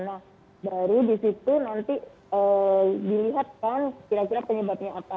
nah baru di situ nanti dilihat kan kira kira penyebabnya apa